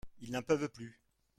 Ils n’en peuvent plus.